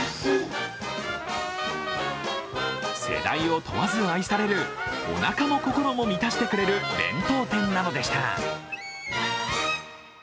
世代を問わず愛される、おなかも心も満たしてくれる弁当店なのでした。